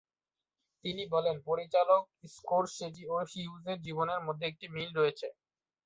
তিনি বলেন পরিচালক স্কোরসেজি ও হিউজের জীবনের মধ্যে একটি মিল রয়েছে।